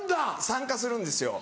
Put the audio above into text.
参加するんですよ。